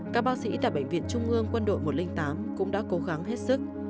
các bác sĩ tại bệnh viện trung ương quân đội một trăm linh tám cũng đã cố gắng hết sức